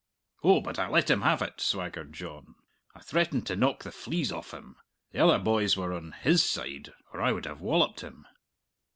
"Oh, but I let him have it," swaggered John. "I threatened to knock the fleas off him. The other boys were on his side, or I would have walloped him."